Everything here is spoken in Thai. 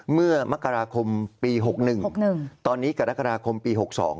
เมื่อมกราคมปี๖๑ตอนนี้กรกฎาคมปี๖๒